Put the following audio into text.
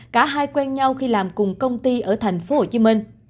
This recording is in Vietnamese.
cả hai quen nhau khi làm cùng công ty ở thành phố hồ chí minh